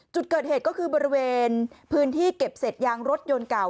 จุดเกิดเหตุก็คือบริเวณพื้นที่เก็บเศษยางรถยนต์เก่า